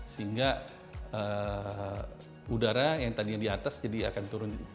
sehingga udara yang tadinya di atas jadi akan turun